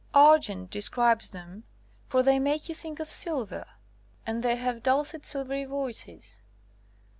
'Argent' de scribes them, for they make you think of sil ver, and they have dulcet silvery voices.